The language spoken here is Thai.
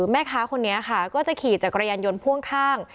แม่ค้าคนนี้ค่ะก็จะขี่จักรยานยนต์พ่วงข้าง